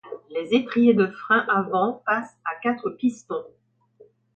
Les étriers de frein avant passent à quatre pistons.